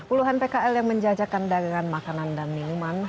puluhan pkl yang menjajakan dagangan makanan dan minuman